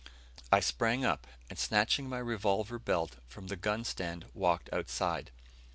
I sprang up, and snatching my revolver belt from the gun stand, walked outside.